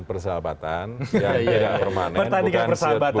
persahabatan yang tidak permanen